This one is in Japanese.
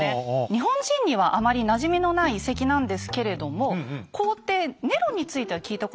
日本人にはあまりなじみのない遺跡なんですけれども皇帝ネロについては聞いたことがありますよね。